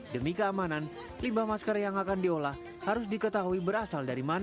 demi keamanan limbah masker yang akan diolah harus diketahui berasal dari mana